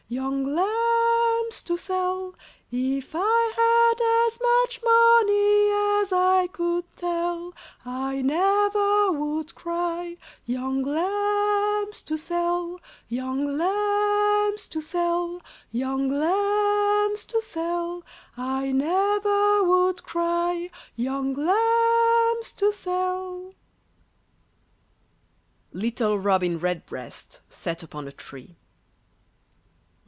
young lambs to sell! If I had as much money as I could tell, I never would cry, Young lambs to sell! Young lambs to sell! young lambs to sell! I never would cry, Young lambs to sell! [Illustration: LITTLE ROBIN REDBREAST SAT UPON A TREE.